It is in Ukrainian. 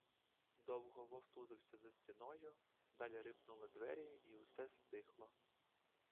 Довго вовтузився за стіною, далі рипнули двері й усе стихло.